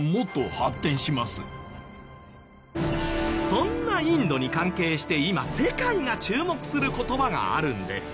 そんなインドに関係して今世界が注目する言葉があるんです。